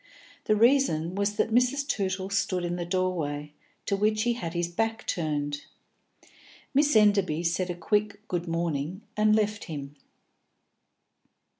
The reason was that Mrs. Tootle stood in the doorway, to which he had his back turned. Miss Enderby said a quick "good morning" and left him.